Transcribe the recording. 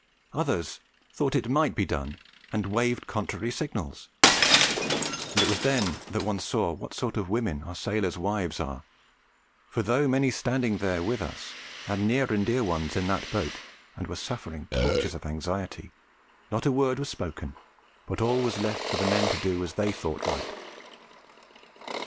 Others thought it might be done, and waved contrary signals; and it was then that one saw what sort of women our sailors' wives are, for though many standing there with us had near and dear ones in that boat, and were suffering tortures of anxiety, not a word was spoken, but all was left for the men to do as they thought right.